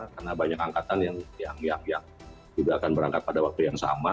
karena banyak angkatan yang juga akan berangkat pada waktu yang sama